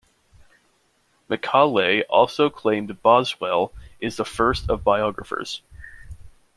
Macaulay also claimed Boswell is the first of biographers.